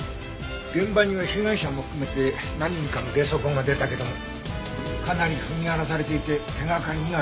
現場には被害者も含めて何人かの下足痕が出たけどかなり踏み荒らされていて手がかりにはなりそうもないね。